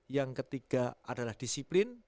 yang ketiga adalah disiplin